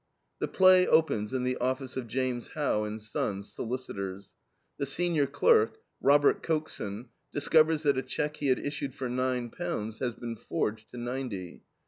The play opens in the office of James How and Sons, Solicitors. The senior clerk, Robert Cokeson, discovers that a check he had issued for nine pounds has been forged to ninety.